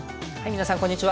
皆さんこんにちは。